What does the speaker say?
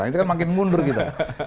itu kan makin mundur kita